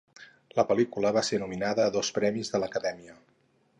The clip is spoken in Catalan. La pel·lícula va ser nominada a dos premis de l'Acadèmia.